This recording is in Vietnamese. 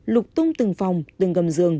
lục tung từng phòng từng gầm giường